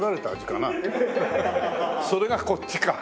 それがこっちか。